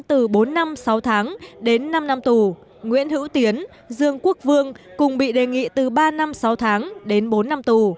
từ bốn năm sáu tháng đến năm năm tù nguyễn hữu tiến dương quốc vương cùng bị đề nghị từ ba năm sáu tháng đến bốn năm tù